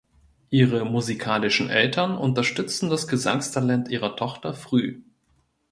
Ihre musikalischen Eltern unterstützten das Gesangstalent ihrer Tochter früh.